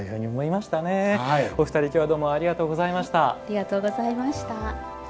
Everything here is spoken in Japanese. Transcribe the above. お二人、今日はどうもありがとうございました。